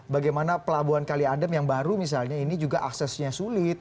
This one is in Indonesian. bagaimana pelabuhan kaliandem yang baru misalnya ini juga aksesnya sulit